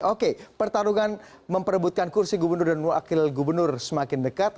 oke pertarungan memperebutkan kursi gubernur dan wakil gubernur semakin dekat